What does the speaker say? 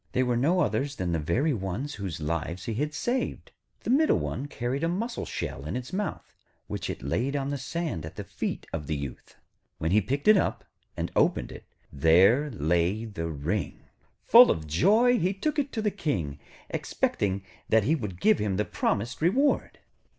They were no others than the very ones whose lives he had saved. The middle one carried a mussel shell in its mouth, which it laid on the sand at the feet of the Youth. When he picked it up, and opened it, there lay the ring. Full of joy, he took it to the King, expecting that he would give him the promised reward.